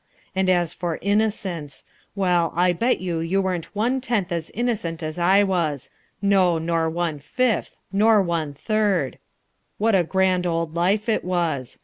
And as for innocence! Well, I'll bet you you weren't one tenth as innocent as I was; no, nor one fifth, nor one third! What a grand old life it was!